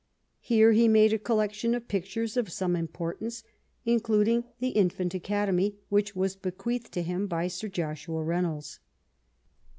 Here he made a collection of pictures of some importance, including the Infant Academy," which was bequeathed to him by Sir Joshua Reynolds.